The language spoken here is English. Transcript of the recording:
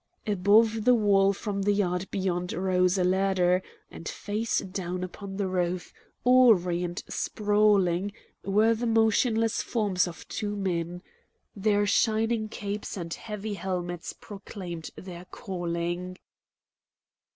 Above the wall from the yard beyond rose a ladder, and, face down upon the roof, awry and sprawling, were the motionless forms of two men. Their shining capes and heavy helmets proclaimed their calling.